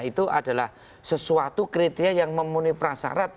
itu adalah sesuatu kriteria yang memenuhi prasarat